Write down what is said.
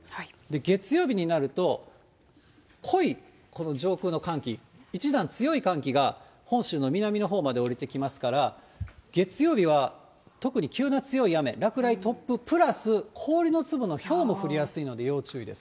月曜日になると、濃いこの上空の寒気、一段強い寒気が本州の南のほうまで下りてきますから、月曜日は特に急な強い雨、落雷、突風プラス氷の粒のひょうも降りやすいので要注意です。